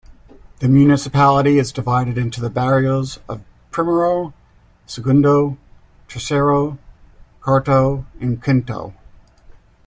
The municipality is divided into the barrios of Primero, Segundo, Tercero, Cuarto and Quinto.